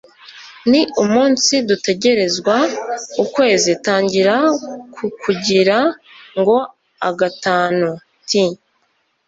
Ni umunsi Dutegerezwa ukwezi Tangira Ku kugira ngo A gatanu T?